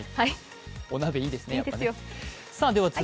お鍋いいですね、やっぱね。